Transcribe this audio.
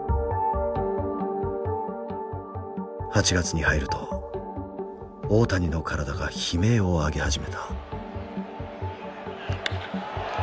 ８月に入ると大谷の体が悲鳴を上げ始めた。